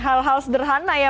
hal hal sederhana ya